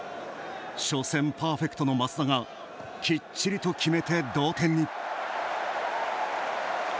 初戦パーフェクトの松田がきっちりと決めて同点に。